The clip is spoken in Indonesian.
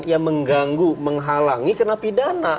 yang mengganggu menghalangi kena pidana